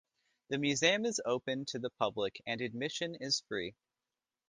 The museum is open to the public and admission is free.